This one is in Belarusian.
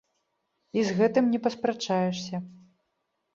І з гэтым не паспрачаешся.